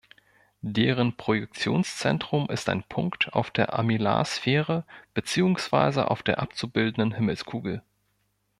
Deren Projektionszentrum ist ein Punkt auf der Armillarsphäre beziehungsweise auf der abzubildenden Himmelskugel.